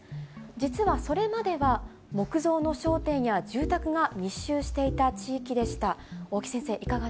実はそれまでは木造の商店や住宅が密集していた地域でした。